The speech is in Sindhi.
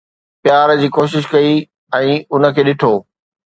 پيار جي ڪوشش ڪئي ۽ ان کي ڏٺو